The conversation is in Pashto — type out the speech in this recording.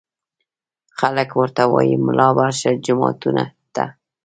خلک ورته وايي ملا ورشه جوماتونو ته